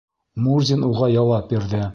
Мурзин уға яуап бирҙе: